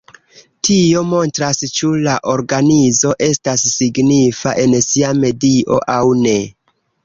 Tio montras ĉu la organizo estas signifa en sia medio aŭ ne.